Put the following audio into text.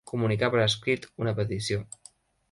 Comunicar per escrit una petició.